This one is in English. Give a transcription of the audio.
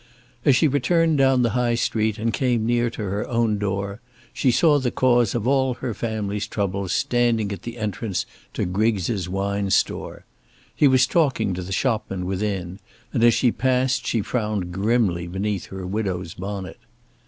As she returned down the High Street, and came near to her own door, she saw the cause of all her family troubles standing at the entrance to Griggs's wine store. He was talking to the shopman within, and as she passed she frowned grimly beneath her widow's bonnet.